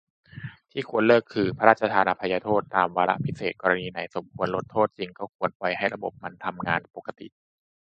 ที่ควรเลิกคือ พระราชทานอภัยโทษตามวาระพิเศษ กรณีไหนสมควรลดโทษจริงก็ปล่อยให้ระบบมันทำงานปกติ